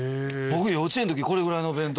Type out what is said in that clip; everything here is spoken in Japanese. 僕幼稚園のときこれぐらいの弁当箱